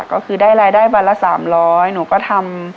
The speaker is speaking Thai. ก็คือได้รายได้วันละ๓๐๐หนูก็ทำ